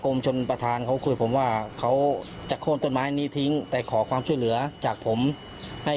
ชนประธานเขาคุยผมว่าเขาจะโค้นต้นไม้นี้ทิ้งไปขอความช่วยเหลือจากผมให้